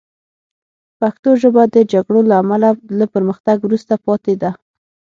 پښتو ژبه د جګړو له امله له پرمختګ وروسته پاتې ده